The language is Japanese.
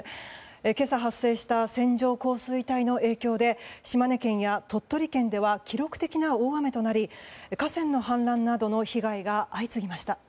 今朝発生した線状降水帯の影響で島根県や鳥取県では記録的な大雨となり河川の氾濫などの被害が相次ぎました。